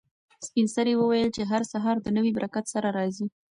سپین سرې وویل چې هر سهار د نوي برکت سره راځي.